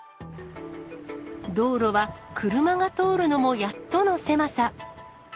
道路は車が通るのもやっとの狭さ。